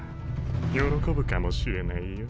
喜ぶかもしれないよ。